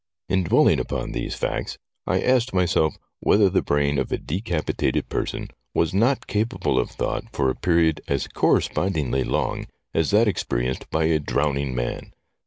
In dwelling upon these facts I asked myself whether the brain of a decapitated person was not capable of thought for a period as correspondingly long as that experienced by a drowning man.